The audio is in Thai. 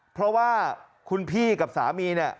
เพราะว่าคุณพี่กับสามีเนี่ย